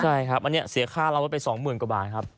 ใช่ครับอันนี้เสียค่าเราไปสองหมื่นกว่าบาทครับ